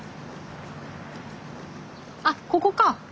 あっここか。